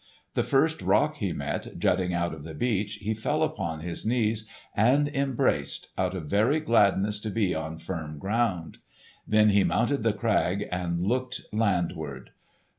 The first rock he met, jutting out of the beach, he fell upon his knees and embraced, out of very gladness to be on firm ground! Then he mounted the crag and looked landward.